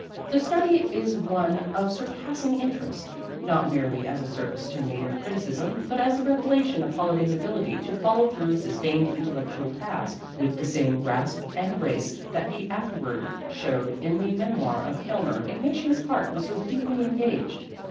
The study is one of surpassing interest, not merely as a service to native criticism but as a revelation of Holliday's ability to follow through a sustained intellectual task with the same grasp and grace that he afterward showed in the memoir of Kilmer in which his heart was so deeply engaged.